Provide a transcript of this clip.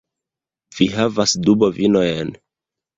Vi havas du bovinojn.